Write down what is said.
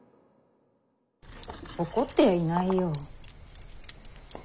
怒ってやいないよ。